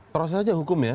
proses saja hukum ya